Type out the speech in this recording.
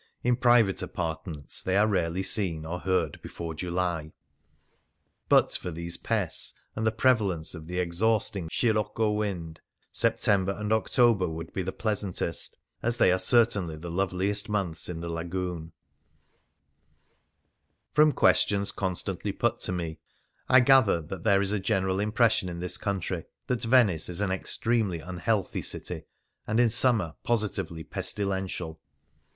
In private apartments they are rarely seen or lieard before July. Things Seen in Venice scirocco wind, September and October would be the pleasantest, as they are certainly the loveliest, months in the Lagoon. From (juestions constantly put to me, I gather that there is a general impression in this country that Venice is an extremely unhealthy city, and in summer positively pestilential.